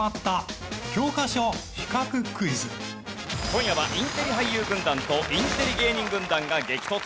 今夜はインテリ俳優軍団とインテリ芸人軍団が激突。